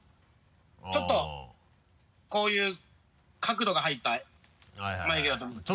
ちょっとこういう角度が入った眉毛だと思うんですけど。